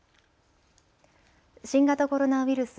新型コロナウイルス。